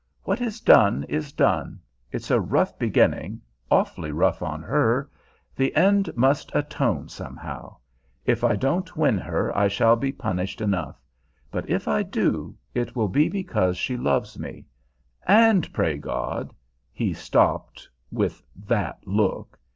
"What is done is done. It's a rough beginning awfully rough on her. The end must atone somehow. If I don't win her I shall be punished enough; but if I do, it will be because she loves me. And pray God" He stopped, with that look.